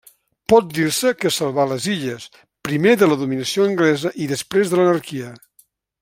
Pot dir-se que salvà les illes, primer de la dominació anglesa i després de l'anarquia.